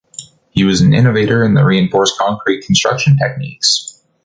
He was an innovator in the reinforced concrete construction techniques.